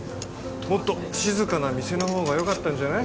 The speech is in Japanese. もっと静かな店の方がよかったんじゃない？